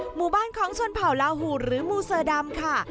หมู่บ้านของชนเผ่าลาหูดหรือมูเซอร์ดำค่ะ